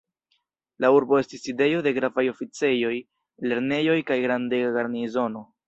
La urbo estis sidejo de gravaj oficejoj, lernejoj kaj grandega garnizono.